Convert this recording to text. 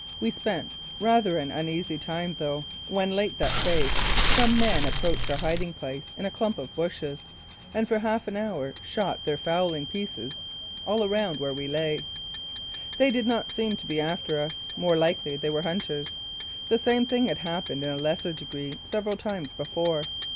We spent rather an uneasy time though, when, late that day, some men approached our hiding place in a clump of bushes and for half an hour shot their fowling pieces off all around where we lay. They did not seem to be after us; more likely they were hunters. The same thing had happened in a lesser degree several times before.